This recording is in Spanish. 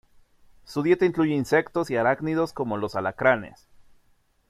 Su dieta incluye insectos y arácnidos como los alacranes.